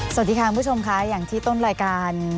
สวัสดีค่ะคุณผู้ชมค่ะอย่างที่ต้นรายการ